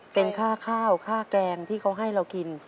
เป็นค่าข้าวค่าแกงที่เขาให้เรากิน